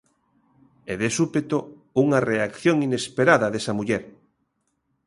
E de súpeto unha reacción inesperada desa muller.